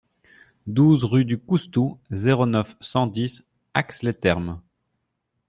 douze rue du Coustou, zéro neuf, cent dix, Ax-les-Thermes